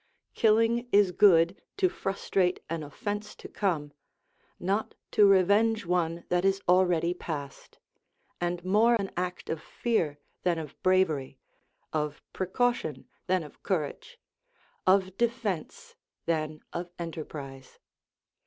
Killing is good to frustrate an offence to come, not to revenge one that is already past; and more an act of fear than of bravery; of precaution than of courage; of defence than of enterprise.